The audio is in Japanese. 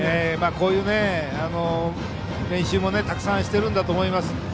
こういう練習もたくさんしているんだと思います。